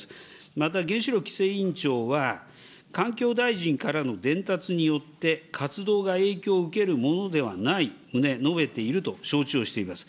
また原子力規制委員長は、環境大臣からの伝達によって活動が影響を受けるものではない旨、述べていると承知をしています。